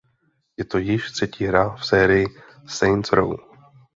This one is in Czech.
Je to již třetí hra v sérii "Saints Row".